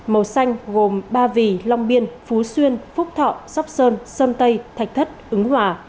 màu xanh gồm ba vì long biên phú xuyên phúc thọ sóc sơn sơn tây thạch thất ứng hòa